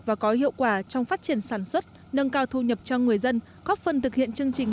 và có hiệu quả trong phát triển sản xuất nâng cao thu nhập cho người dân góp phần thực hiện chương trình